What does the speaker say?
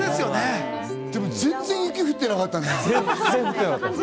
でも全然、雪降ってなかったね。